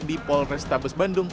di polres tabes bandung